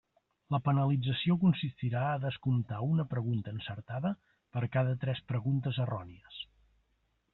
La penalització consistirà a descomptar una pregunta encertada per cada tres preguntes errònies.